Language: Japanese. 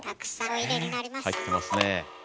入ってますねえ。